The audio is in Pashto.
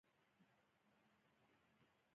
دوی په خپلو دربارونو کې شاعران او ادیبان په مینه روزل